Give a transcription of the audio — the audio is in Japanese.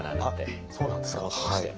あっそうなんですか。